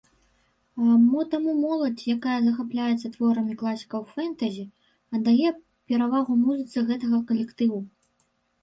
Мо таму моладзь, якая захапляецца творамі класікаў фэнтэзі, аддае перавагу музыцы гэтага калектыву.